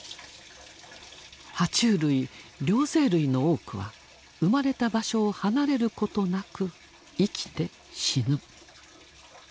は虫類両生類の多くは生まれた場所を離れることなく生きて死ぬ。